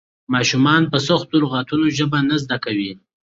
ماشومان په سختو لغتونو ژبه نه زده کوي.